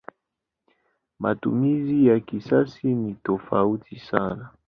Matumizi ya kisasa ni tofauti sana.